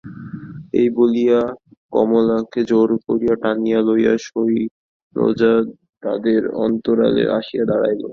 এই বলিয়া কমলাকে জোর করিয়া টানিয়া লইয়া শৈলজা দ্বারের অন্তরালে আসিয়া দাঁড়াইল।